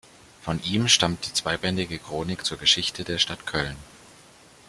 Von ihm stammt die zweibändige „Chronik zur Geschichte der Stadt Köln“.